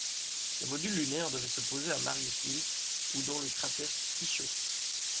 Le module lunaire devait se poser à Marius Hills ou dans le cratère Tycho.